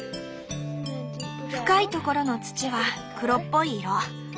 深いところの土は黒っぽい色。